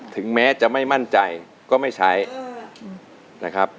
ถึงแม้จะไม่มั่นใจก็ไม่ใช้นะครับ